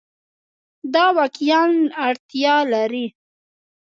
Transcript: دا واقعیا اړتیا لري